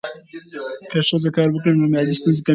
که ښځه کار وکړي، نو مالي ستونزې کمېږي.